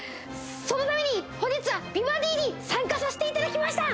そのために本日は「美バディ」に参加させていただきました！